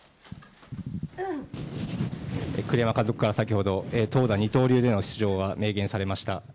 栗山監督から先ほど投打二刀流での出場が明言されました。